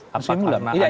masih belum lah